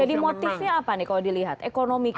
jadi motifnya apa nih kalau dilihat ekonomi kak